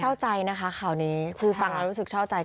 เช่าใจนะคะข่าวนี้คือฟังรู้สึกเช่าใจ